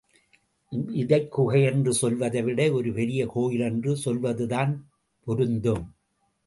இதைக் குகை என்று சொல்வதைவிட ஒரு பெரிய கோயில் என்று சொல்வதுதான் பொருந்தும்.